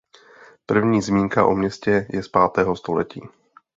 První zmínka o městě je z pátého století.